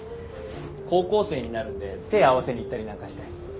高校生になるんで手合わせに行ったりなんかして。